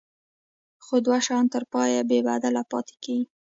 خو دوه شیان تر پایه بې بدله پاتې کیږي.